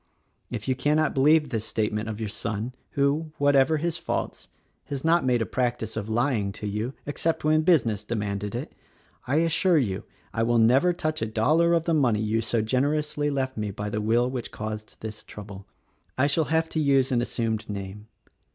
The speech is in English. If you cannot believe this statement of your son, who, whatever his faults, has not made a practice of lying to you — except when business demanded it, — I assure you I will never touch a dollar of the money you so generously left me by the will which caused this trouble. "I shall have to use an assumed name.